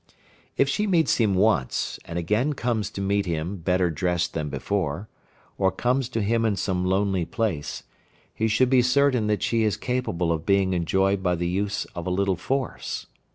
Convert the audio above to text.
If she meets him once, and again comes to meet him better dressed than before, or comes to him in some lonely place, he should be certain that she is capable of being enjoyed by the use of a little force.